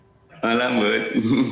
selamat malam bud